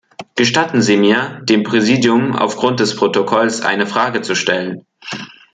Gestatten Sie mir, dem Präsidium aufgrund des Protokolls eine Frage zu stellen.